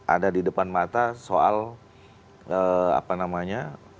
ada di depan mata soal apa namanya